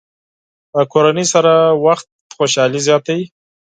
کورنۍ سره وخت خوشحالي زیاتوي.